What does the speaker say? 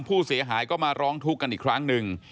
ผู้เสียหายก็มาร้องทุกข์กันอีกครั้งหนึ่ง